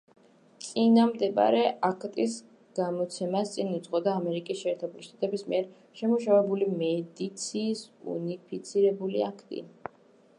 წინამდებარე აქტის გამოცემას წინ უძღოდა ამერიკის შეერთებული შტატების მიერ შემუშავებული „მედიაციის უნიფიცირებული აქტი“.